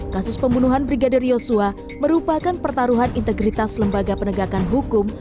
kasus pembunuhan brigadir yosua merupakan pertaruhan integritas lembaga penegakan hukum